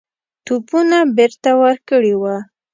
توپونه بیرته ورکړي وه.